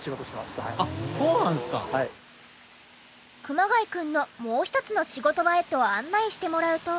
熊谷くんのもう１つの仕事場へと案内してもらうと。